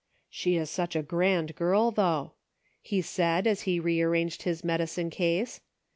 " She is a grand girl, though," he said, as he re arranged his medicine case.